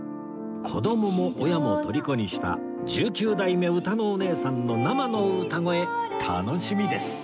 子どもも親もとりこにした１９代目うたのおねえさんの生の歌声楽しみです